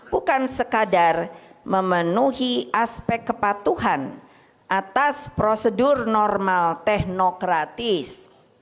bukan sekadar memenuhi aspek kepatuhan atas prosedur normal teknokratis